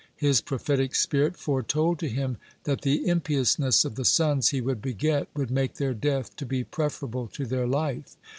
His prophetic spirit foretold to him that the impiousness of the sons he would beget would make their death to be preferable to their life.